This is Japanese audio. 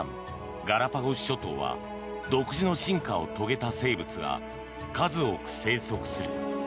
ガラパゴス諸島は独自の進化を遂げた生物が数多く生息する。